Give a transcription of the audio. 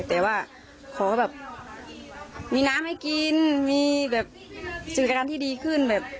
แต่ว่าขอแบบมีน้ำให้กินมีแบบกิจกรรมที่ดีขึ้นแบบ